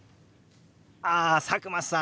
あ佐久間さん